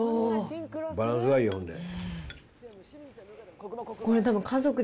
バランスがいい、ほんで。